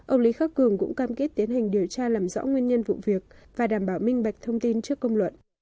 ông lý khắc cường cũng cam kết tiến hành điều tra làm rõ nguyên nhân vụ việc và đảm bảo minh bạch thông tin trước công luận